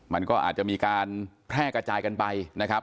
มันก็อาจจะมีการแพร่กระจายกันไปนะครับ